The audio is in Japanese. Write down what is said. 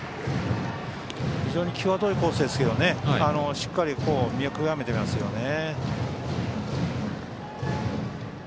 非常に際どいコースですがしっかり見極めていますね。